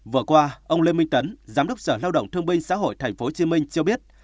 vừa qua ông lê minh tấn giám đốc sở lao động thương binh xã hội tp hcm cho biết